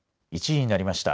１時になりました。